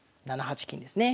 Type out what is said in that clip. ７八金ですね。